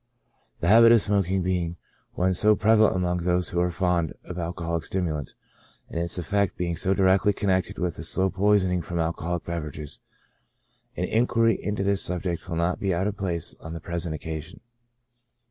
The habit of smoking being one so prevalent among those who are fond of alcoholic stimulants, and its effects being so directly connected with the slow poisoning from alcoholic beverages, an inquiry into this subject will not be out of place on the present occasion.